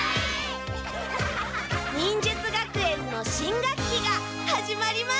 忍術学園の新学期が始まります！